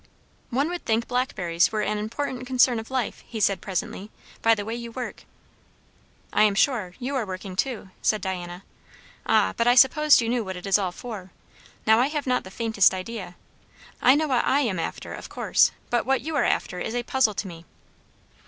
"One would think blackberries were an important concern of life," he said presently, "by the way you work." "I am sure, you are working too," said Diana. "Ah, but I supposed you knew what it is all for. Now I have not the faintest idea. I know what I am after, of course; but what you are after is a puzzle to me."